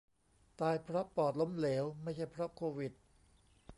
ตายเพราะปอดล้มเหลว ไม่ใช่เพราะโควิด